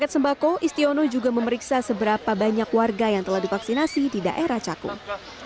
sembako istiono juga memeriksa seberapa banyak warga yang telah divaksinasi di daerah cakung